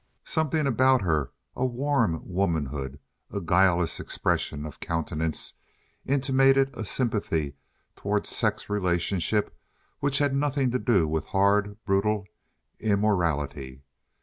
Something about her—a warm womanhood, a guileless expression of countenance—intimated a sympathy toward sex relationship which had nothing to do with hard, brutal immorality.